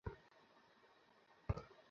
তবে, ম্যাডাম, আপনি ক্ষমতাশালী নন।